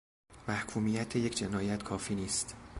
محکومیت یک جنایت کافی نیست